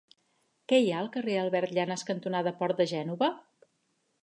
Què hi ha al carrer Albert Llanas cantonada Port de Gènova?